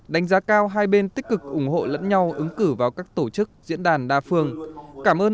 đánh giá cao hai bên tích cực ủng hộ lẫn nhau ứng cử vào các tổ chức diễn đàn đa phương cảm ơn